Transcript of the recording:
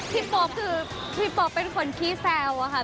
พี่ป๊อบคือพี่ป๊อบเป็นคนขี้แซวค่ะ